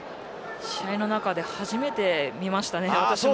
試合の中で初めて見ました。